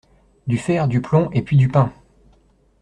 Du fer, du plomb et puis du pain!